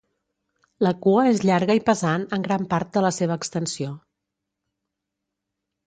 La cua és llarga i pesant en gran part de la seva extensió.